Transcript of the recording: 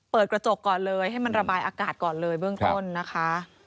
เปิดกระจกก่อนเลยให้มันระบายอากาศก่อนเลยเบื้องต้นนะคะ